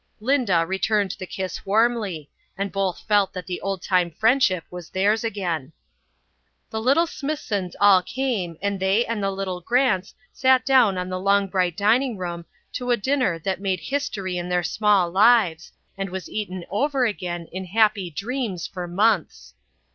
Linda returned the kiss warmly, and both felt that the old time friendship was theirs again. The little Smithsons all came and they and the little Grants sat down on the long bright dining room to a dinner that made history in their small lives, and was eaten over again in happy dreams for months.